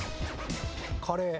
カレー。